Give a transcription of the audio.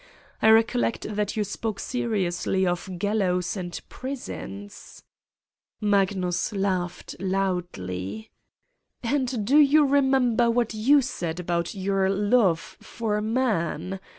I recollect that you spoke seriously of gallows and prisons." Magnus laughed loudly : 123 Satan's Diary "And do you remember what you said about your love for man!